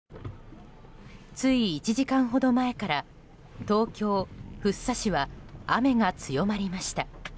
つい１時間ほど前から東京・福生市は雨が強まりました。